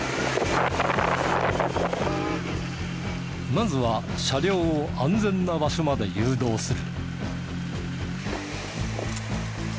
まずは車両を安全な場所まで誘導する。